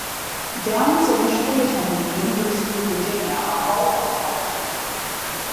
Downs initially attended the University of Virginia on a volleyball scholarship.